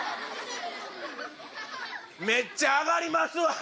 めっちゃ上がりますわ。